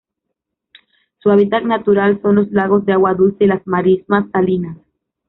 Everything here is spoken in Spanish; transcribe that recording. Su hábitat natural son los lagos de agua dulce y las marismas salinas.